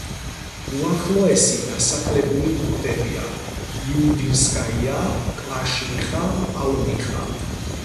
უახლოესი დასახლებული პუნქტებია: იუდინსკაია, კვაშნიხა, პაუნიხა.